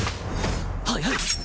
速い！